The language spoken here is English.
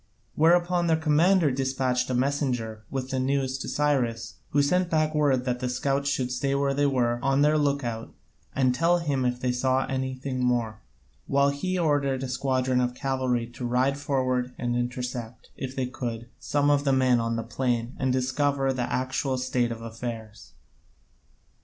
Whereupon their commander despatched a messenger with the news to Cyrus, who sent back word that the scouts should stay where they were, on their look out, and tell him if they saw anything more, while he ordered a squadron of cavalry to ride forward, and intercept, if they could, some of the men on the plain and so discover the actual state of affairs.